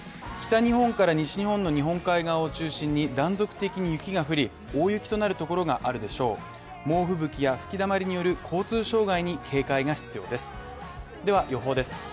北日本から西日本の日本海側を中心に断続的に雪が降り、大雪となるところがあるでしょう、猛ふぶきや吹きだまりによる交通障害に警戒が必要です。